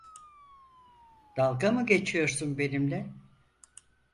Dalga mı geçiyorsun benimle?